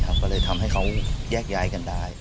ก็เลยทำให้เขาแยกย้ายกันได้